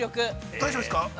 ◆大丈夫ですか。